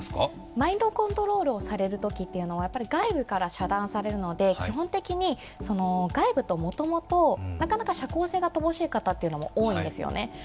マインドコントロールをされるときというのはやっぱり外部から遮断されるので、基本的に外部ともともと、なかなか社交性が乏しい方というのも多いんですよね。